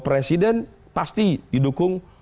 presiden pasti didukung